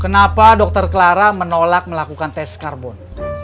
kenapa dokter clara menolak melakukan tes karbon